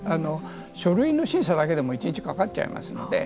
書類の審査だけでも１日かかっちゃいますので。